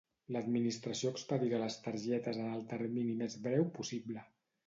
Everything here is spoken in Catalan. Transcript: L'administració expedirà les targetes en el termini més breu possible.